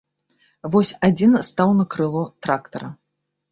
Вось адзін стаў на крыло трактара.